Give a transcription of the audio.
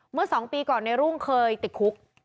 เมื่อ๒ปีก่อนในรุ่งเคยติดคุก